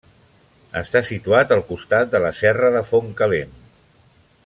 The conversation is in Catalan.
Està situat al costat de la Serra de Fontcalent.